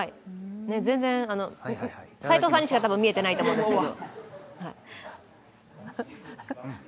全然、齋藤さんにしか見えてないですけど。